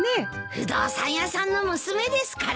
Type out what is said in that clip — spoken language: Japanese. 不動産屋さんの娘ですから。